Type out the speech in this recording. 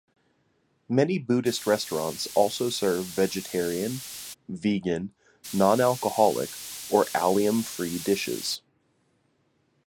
Many Buddhist restaurants also serve vegetarian, vegan, non-alcoholic or allium-free dishes.